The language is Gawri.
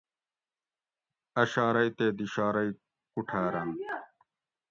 اۤ شارئی تے دی شارئی کُوٹھارنت